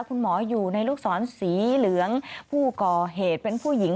คุณหมออยู่ในลูกศรสีเหลืองผู้ก่อเหตุเป็นผู้หญิง